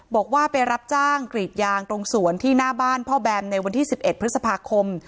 บอกว่าไปรับจ้างกรีดยางตรงสวนที่หน้าบ้านพ่อแบมในวันที่๑๑พฤษภาคม